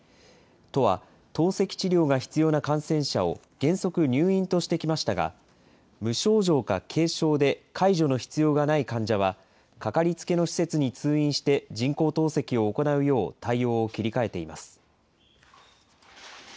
都は透析治療が必要な感染者を原則入院としてきましたが、無症状か軽症で介助の必要がない患者はかかりつけの施設に通院して人工透析を行うよう対応を切り替えています。